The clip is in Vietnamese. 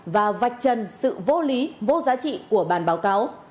và vạch trần sự vô lý vô giá trị của bàn báo cáo